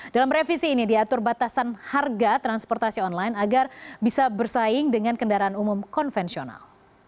dalam revisi ini diatur batasan harga transportasi online agar bisa bersaing dengan kendaraan umum konvensional